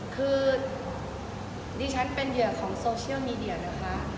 คือดิฉันเป็นเหยื่อของโซเชียลมีเดียนะคะ